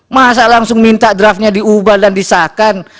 masa langsung minta draftnya diubah dan disahkan